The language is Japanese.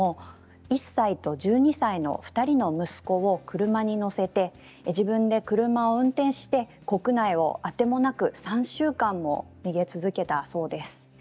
１歳と１２歳の２人の息子を車に乗せて自分で車を運転して国内をあてもなく３週間も逃げ続けたそうです。